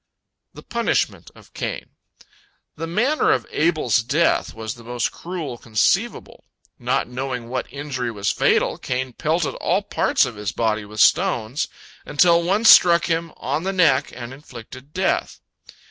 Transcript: " THE PUNISHMENT OF CAIN The manner of Abel's death was the most cruel conceivable. Not knowing what injury was fatal, Cain pelted all parts of his body with stones, until one struck him on the neck and inflicted death.